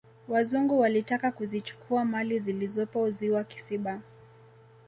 wazungu walitaka kuzichukua mali zilizopo ziwa kisiba